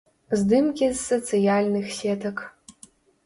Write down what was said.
Здымкі з сацыяльных сетак.